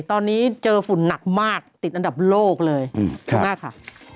ตอนนี้เจอฝุ่นหนักมากติดอันดับโลกเลยมากค่ะ